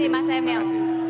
terima kasih mas emil